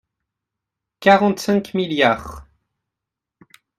quarante-cinq milliards